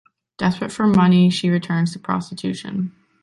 Desperate for money, she returns to prostitution.